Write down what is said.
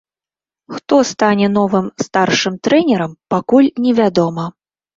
Хто стане новым старшым трэнерам, пакуль невядома.